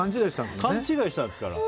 勘違いしたんですもんね。